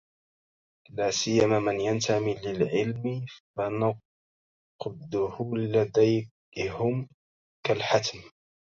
لاسيما من ينتمي للعلم فنقده لديهم كالحتم